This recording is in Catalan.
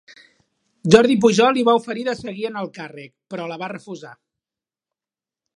Jordi Pujol li va oferir de seguir en el càrrec, però la va refusar.